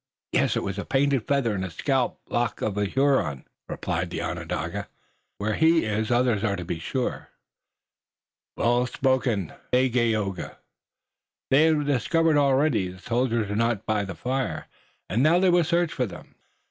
"Yes. It was a painted feather in the scalp lock of a Huron," replied the Onondaga. "And where he is others are sure to be." "Well spoken, Dagaeoga. They have discovered already that the soldiers are not by the fire, and now they will search for them."